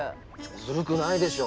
ずるくないでしょ。